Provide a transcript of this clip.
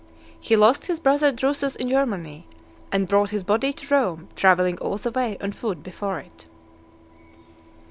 He lost his brother Drusus in Germany, and brought his body to Rome, travelling all the way on foot before it.